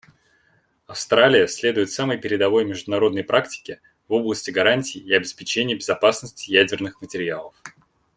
Австралия следует самой передовой международной практике в области гарантий и обеспечения безопасности ядерных материалов.